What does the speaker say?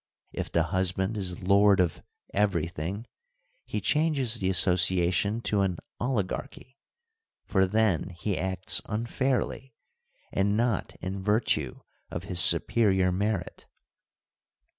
If the husband is lord of everything, he changes the association to an ' olig archy '; for then he acts unfairly and not in virtue of his superior merit.